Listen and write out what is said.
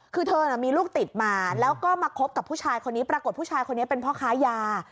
คือเธอน่ะมีลูกติดมาแล้วก็มาคบกับผู้ชายคนนี้ปรากฏผู้ชายคนนี้เป็นพ่อค้ายา